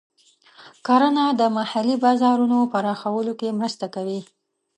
کرنه د محلي بازارونو پراخولو کې مرسته کوي.